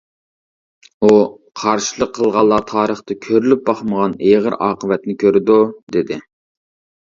ئۇ : «قارشىلىق قىلغانلار تارىختا كۆرۈلۈپ باقمىغان ئېغىر ئاقىۋەتنى كۆرىدۇ» دېدى.